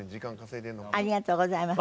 ありがとうございます。